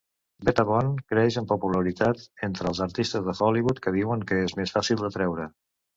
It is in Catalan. BetaBond creix en popularitat entre els artistes de Hollywood que diuen que és més fàcil de treure.